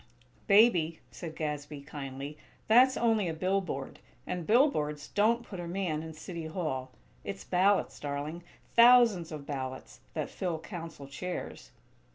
"Baby," said Gadsby, kindly, "that's only a billboard, and billboards don't put a man in City Hall. It's ballots, darling; thousands of ballots, that fill Council chairs."